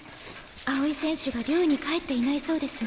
青井選手が寮に帰っていないそうです。